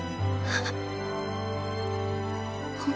あっ。